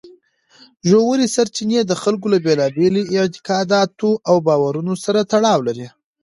ژورې سرچینې د خلکو له بېلابېلو اعتقاداتو او باورونو سره تړاو لري.